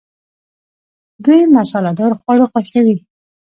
دوی مساله دار خواړه خوښوي.